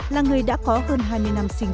là người đã có hơn hai mươi năm sinh